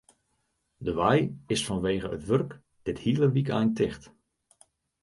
De wei is fanwegen it wurk dit hiele wykein ticht.